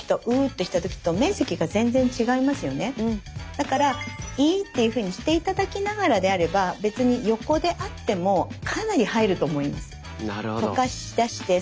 だから「い」っていうふうにしていただきながらであれば別にヨコであってもかなり入ると思います。